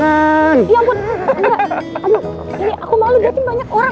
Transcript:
aku malu liatin banyak orang